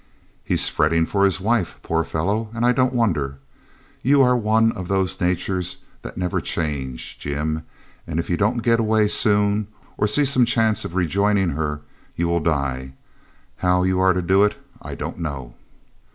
'He is fretting for his wife, poor fellow, and I don't wonder. You are one of those natures that never change, Jim; and if you don't get away soon, or see some chance of rejoining her, you will die. How you are to do it I don't know.'